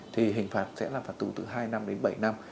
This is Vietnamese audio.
thì hình phạt sẽ là phạt tù từ hai năm đến bảy năm